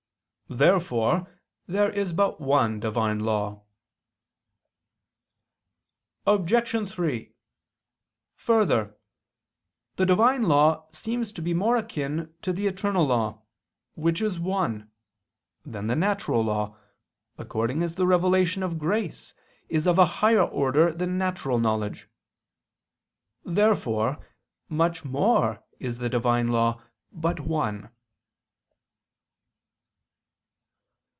Therefore there is but one Divine law. Obj. 3: Further, the Divine law seems to be more akin to the eternal law, which is one, than the natural law, according as the revelation of grace is of a higher order than natural knowledge. Therefore much more is the Divine law but one.